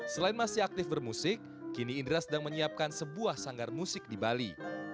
selain masih aktif bermusik kini indra sedang menyiapkan sebuah sanggar musik di bali